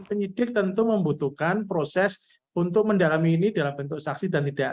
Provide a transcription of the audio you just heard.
penyidik tentu membutuhkan proses untuk mendalami ini dalam bentuk saksi dan tidak